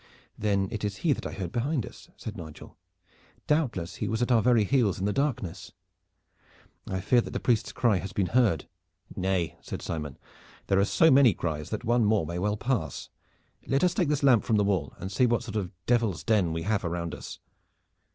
"Then it was he that I heard behind us," said Nigel. "Doubtless he was at our very heels in the darkness. I fear that the priest's cry has been heard." "Nay," said Simon, "there are so many cries that one more may well pass. Let us take this lamp from the wall and see what sort of devil's den we have around us."